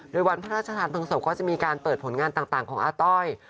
โดยวันพระราชทานเพลิงศพก็จะมีการเปิดผลงานต่างของอาต้อย